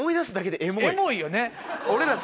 エモいよね。